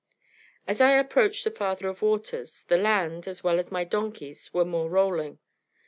As I approached the "Father of Waters" the land, as well as my donkeys, were more rolling.